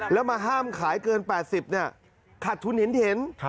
แล้วมาห้ามขายเกิน๘๐ขาดทุนเห็น